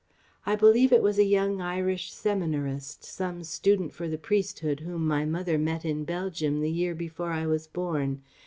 I believe it was a young Irish seminarist, some student for the priesthood whom my mother met in Belgium the year before I was born.